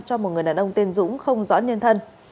cho một người đàn ông tiên dũng không rõ nhân thân